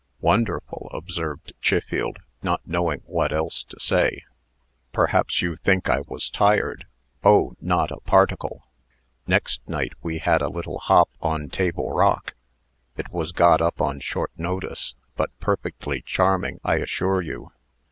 "Wonderful!" observed Chiffield, not knowing what else to say. "Perhaps you think I was tired? Oh! not a particle. Next night we had a little hop on Table Rock. It was got up on short notice, but perfectly charming, I assure you.